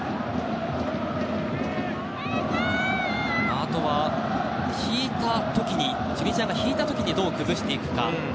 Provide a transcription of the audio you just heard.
あとはチュニジアが引いた時にどう崩していくか。